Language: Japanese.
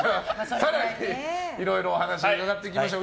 更にいろいろお話伺っていきましょう。